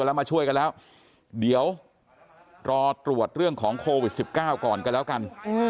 รอตรวจเรื่องของโควิด๑๙ก่อนก็แล้วกัน